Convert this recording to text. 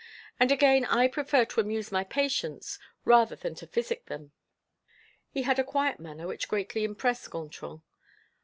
And again I prefer to amuse my patients rather than to physic them." He had a quiet manner which greatly pleased Gontran.